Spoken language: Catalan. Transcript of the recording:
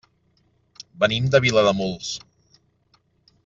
Venim de Vilademuls.